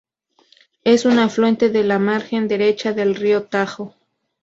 Es un afluente de la margen derecha del río Tajo.